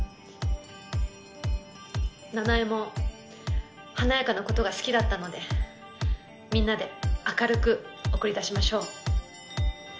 奈々江も華やかな事が好きだったのでみんなで明るく送り出しましょう。